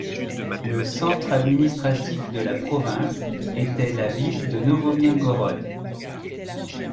Le centre administratif de la province était la ville de Novomirgorod.